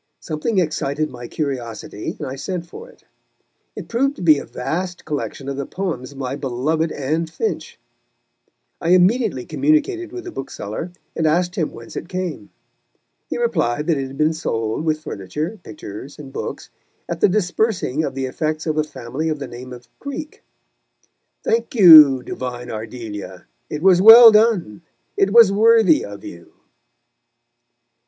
Something excited my curiosity, and I sent for it. It proved to be a vast collection of the poems of my beloved Anne Finch. I immediately communicated with the bookseller, and asked him whence it came. He replied that it had been sold, with furniture, pictures and books, at the dispersing of the effects of a family of the name of Creake. Thank you, divine Ardelia! It was well done; it was worthy of you.